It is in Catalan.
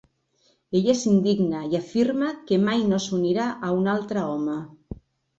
Ella s'indigna i afirma que mai no s'unirà a un altre home.